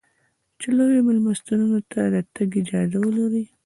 چې لویو مېلمستونو ته د تګ اجازه ولرې.